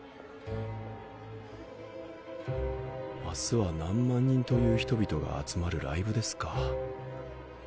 明日は何万人という人々が集まるライブですか。